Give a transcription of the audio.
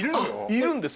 いるんです